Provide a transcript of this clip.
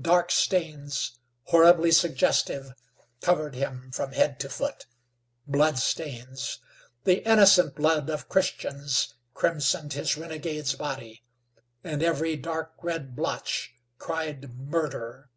Dark stains, horribly suggestive, covered him from head to foot. Blood stains! The innocent blood of Christians crimsoned his renegade's body, and every dark red blotch cried murder.